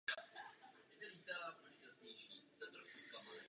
Narodil se v Rakovníku.